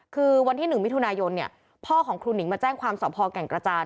คือวันที่๑มิถุนายนพ่อของครูหนิงมาแจ้งความสอบพอแก่งกระจาน